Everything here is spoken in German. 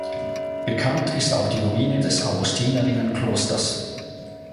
Bekannt ist auch die Ruine des Augustinerinnen-Klosters.